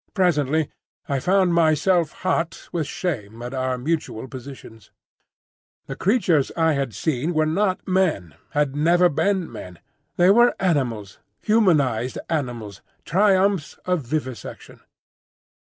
Presently I found myself hot with shame at our mutual positions. The creatures I had seen were not men, had never been men. They were animals, humanised animals,—triumphs of vivisection.